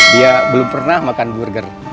dia belum pernah makan burger